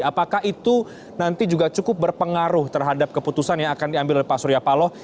apakah itu nanti juga cukup berpengaruh terhadap keputusan yang akan diambil oleh pak surya paloh